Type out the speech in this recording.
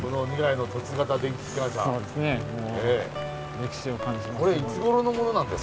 歴史を感じます。